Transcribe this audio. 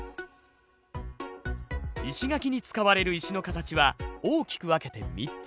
石垣に使われる石の形は大きく分けて３つ。